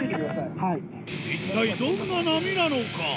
一体どんな波なのか？